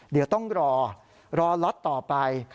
เดี๋ยวต้องรอรอล็อตต่อไป